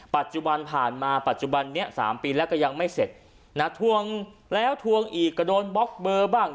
ปัจจุบันผ่านมาปัจจุบันนี้๓ปีแล้วก็ยังไม่เสร็จนะทวงแล้วทวงอีกก็โดนบล็อกเบอร์บ้าง